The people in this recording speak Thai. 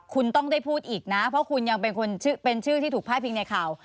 คุณต้องได้พูดอีกนะเพราะคุณยังเป็นคนเป็นชื่อที่ถูกพาดพิงในข่าว